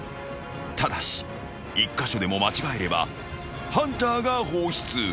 ［ただし１カ所でも間違えればハンターが放出］